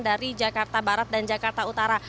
dari jakarta barat dan jakarta utara